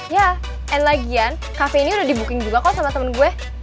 ya end lagian cafe ini udah di booking juga kok sama temen gue